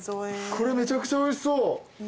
これめちゃくちゃおいしそう。